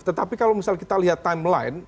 tetapi kalau misalnya kita lihat timeline